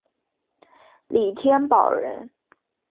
李添保人。